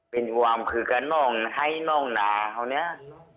เป็นความคือกับน้องให้น้องนาเขาเนี่ย